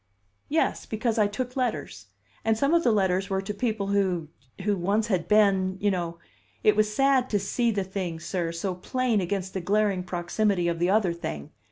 "Yes. Because I took letters; and some of the letters were to people who who once had been, you know; it was sad to see the thing, sir, so plain against the glaring proximity of the other thing.